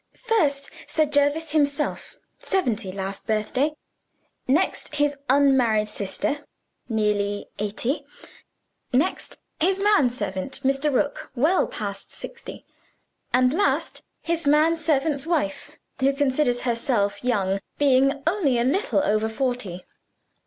"First, Sir Jervis himself seventy, last birthday. Next, his unmarried sister nearly eighty. Next, his man servant, Mr. Rook well past sixty. And last, his man servant's wife, who considers herself young, being only a little over forty.